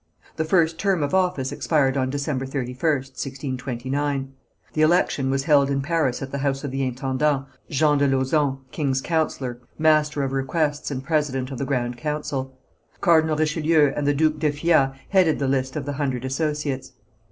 The first term of office expired on December 31st, 1629. The election was held in Paris at the house of the intendant, Jean de Lauzon, king's councillor, master of requests and president of the Grand Council. Cardinal Richelieu and the Duke d'Effiat headed the list of the Hundred Associates.